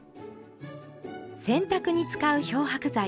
洗濯に使う漂白剤